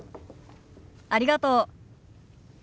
ありがとう。